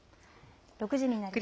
６時になりました。